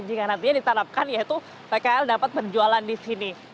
jika nantinya ditanapkan yaitu pkl dapat berjualan di sini